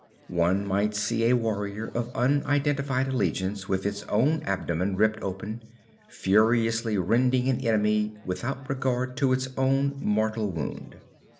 One might see a warrior of unidentified allegiance with its own abdomen ripped open, furiously rending an enemy without regard to its own mortal wound.